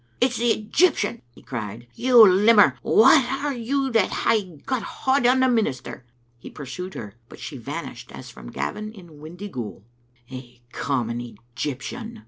"It's the Egyptian!" he cried. "You limmer, wha are you that hae got haud o' the minister?" He pursued her, but she vanished as from Gavin in Windyghoul. " A common Egyptian